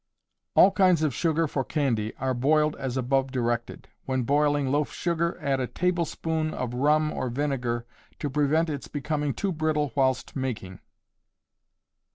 All kinds of sugar for candy, are boiled as above directed. When boiling loaf sugar, add a tablespoonful of rum or vinegar, to prevent its becoming too brittle whilst making.